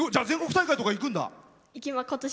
全国大会とかいくんだ。